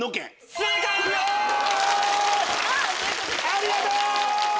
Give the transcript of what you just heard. ありがと！